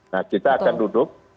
nah kita akan duduk